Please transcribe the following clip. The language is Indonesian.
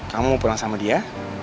kamu mau pulang sama dia